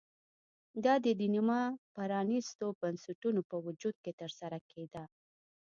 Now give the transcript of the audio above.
دا د نیمه پرانېستو بنسټونو په وجود کې ترسره کېده